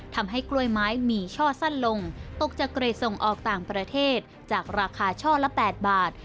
ทำให้กล้วยไม้มีช่อสั้นลงตกจากเกรดส่งออกต่างประเทศจากราคาช่อละ๘บาท